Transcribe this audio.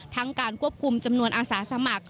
การควบคุมจำนวนอาสาสมัคร